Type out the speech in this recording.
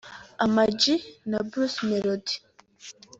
Ama G na Bruce Melody